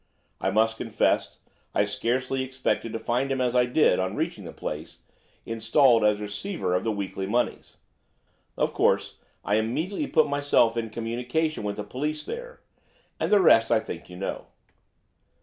I must confess I scarcely expected to find him as I did, on reaching the place, installed as receiver of the weekly moneys. Of course, I immediately put myself in communication with the police there, and the rest I think you know."